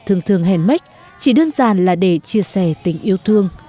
mở thương thương henmech chỉ đơn giản là để chia sẻ tình yêu thương